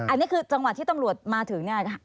อันนี้คือจังหวะที่ตำรวจมาถึงเนี่ย